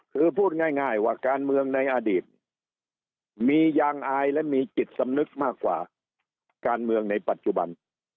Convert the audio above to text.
คือพูดง่ายว่าการเมืองในอดีตมียางอายและมีจิตสำนึกมากกว่าการเมืองในปัจจุบัน